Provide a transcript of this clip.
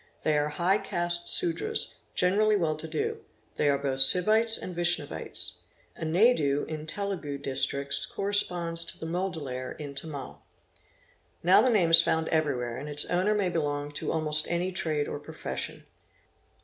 'They | are high caste Sudras, generally well to do; they are both Sivites and Vaishnavites. A Naidu in Telugu Districts corresponds to the Mudalhar in Tamil. Now the name is found everywhere and its owner may belong to almost any trade or profession.